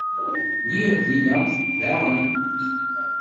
Lliɣ dinna, daɣen.